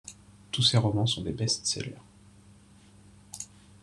Tous ses romans sont des best-sellers.